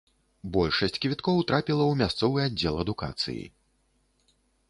Большасць квіткоў трапіла ў мясцовы аддзел адукацыі.